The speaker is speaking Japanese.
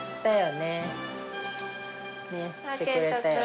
ねっしてくれたよね。